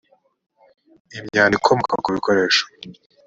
imyanda ikomoka ku bikoresho